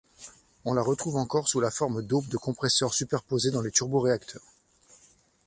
On la retrouve encore sous la forme d’aubes de compresseurs superposées dans les turboréacteurs.